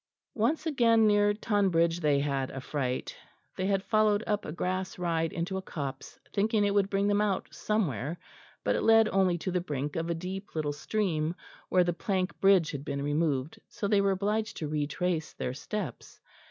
Once again, nearer Tonbridge, they had a fright. They had followed up a grass ride into a copse, thinking it would bring them out somewhere, but it led only to the brink of a deep little stream, where the plank bridge had been removed, so they were obliged to retrace their steps.